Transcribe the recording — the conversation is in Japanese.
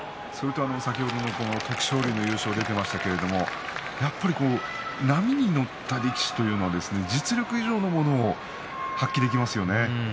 先ほど徳勝龍の優勝が出ていましたが波に乗った力士というのは実力以上のものを発揮できますよね。